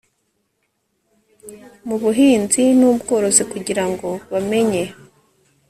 mu buhinzi n ubworozi kugira ngo bamenye